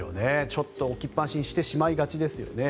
ちょっと置きっぱなしにしてしまいがちですよね。